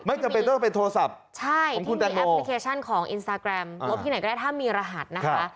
ที่มีแอปพลิเคชันของอินสตาแกรมลบที่ไหนก็ได้ถ้ามีรหัสนะคะ